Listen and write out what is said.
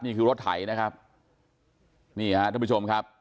นี่คือรถไถนะครับนี่ฮะท่านผู้ชมครับ